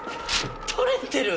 取れてる。